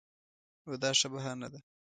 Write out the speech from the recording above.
نو دا ښه بهانه ده.